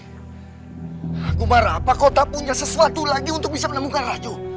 aku marah apa kau tak punya sesuatu lagi untuk bisa menemukan racu